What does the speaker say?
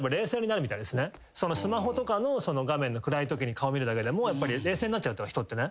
スマホとかの画面の暗いときに顔見るだけでもやっぱり冷静になっちゃう人ってね。